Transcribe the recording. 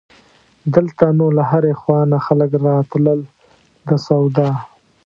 دلته نو له هرې خوا نه خلک راتلل د سودا.